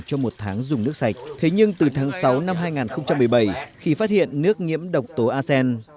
trong một tháng dùng nước sạch thế nhưng từ tháng sáu năm hai nghìn một mươi bảy khi phát hiện nước nhiễm độc tố acen